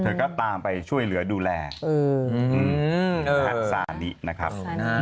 เธอก็ตามไปช่วยเหลือดูแลหักซานินะครับ